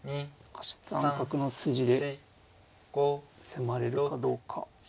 ８三角の筋で迫れるかどうか。